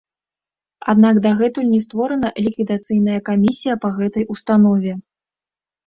Аднак дагэтуль не створана ліквідацыйная камісія па гэтай установе.